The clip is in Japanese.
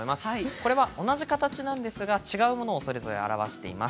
これは同じ形をしているんですが、違うものをそれぞれ表しています。